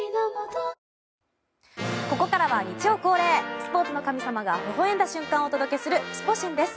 ここからは日曜恒例スポーツの神様がほほ笑んだ瞬間をお届けするスポ神です。